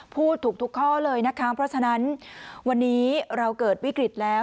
พูดถูกทุกข้อเลยนะคะเพราะฉะนั้นวันนี้เราเกิดวิกฤตแล้ว